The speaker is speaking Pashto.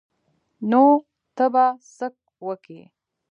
نو ته به څه وکې.